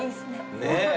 ねえ！